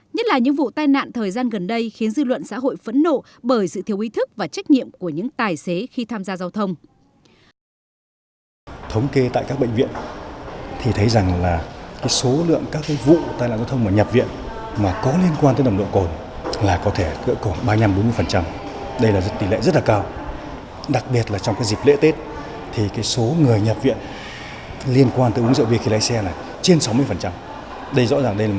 nhất là những vụ tai nạn thời gian gần đây khiến dư luận xã hội phẫn nộ bởi sự thiếu ý thức và trách nhiệm của những tài xế khi tham gia giao thông